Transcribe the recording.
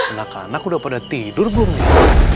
anak anak udah pada tidur belum nih